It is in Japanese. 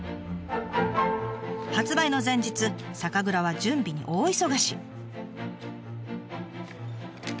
発売の前日酒蔵は準備に大忙し。